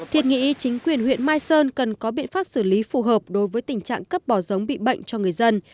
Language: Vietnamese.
thiệt nghĩ chính quyền huyện mai sơn cần có biện pháp xử lý phù hợp đối với tình trạng cấp bỏ giống bị bệnh cho người dân